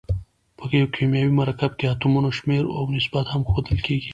په یو کیمیاوي مرکب کې اتومونو شمیر او نسبت هم ښودل کیږي.